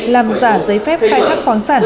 làm giả giấy phép khai thác khoáng sản